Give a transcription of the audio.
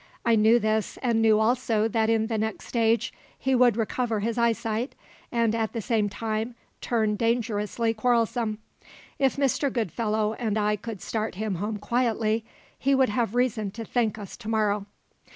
I knew this, and knew also that in the next stage he would recover his eyesight, and at the same time turn dangerously quarrelsome. If Mr. Goodfellow and I could start him home quietly, he would have reason to thank us to morrow.